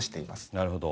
なるほど。